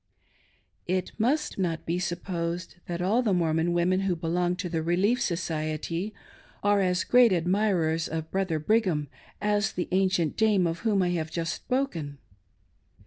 It must not be supposed that all the Mormon women who belong to the Relief Society are as great admirers of Brother Brigham as the ancient dame of whom I have just spoken.